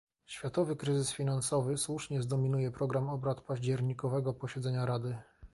Światowy kryzys finansowy słusznie zdominuje program obrad październikowego posiedzenia Rady